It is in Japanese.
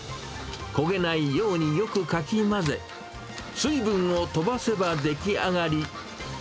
焦げないようによくかき混ぜ、水分を飛ばせば出来上がり。